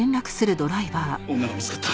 女が見つかった。